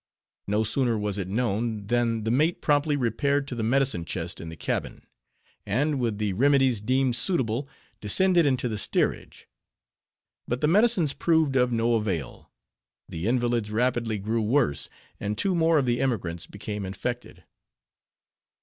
No sooner was it known, than the mate promptly repaired to the medicine chest in the cabin: and with the remedies deemed suitable, descended into the steerage. But the medicines proved of no avail; the invalids rapidly grew worse; and two more of the emigrants became infected.